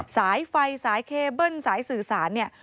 สายไฟสายเคเบิ้ลสายสื่อสารเนี่ย